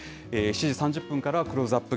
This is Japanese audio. ７時３０分からはクローズアップ